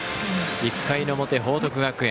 １回の表、報徳学園。